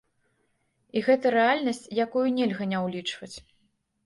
І гэта рэальнасць, якую нельга не ўлічваць.